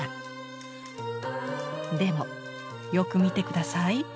でもよく見て下さい。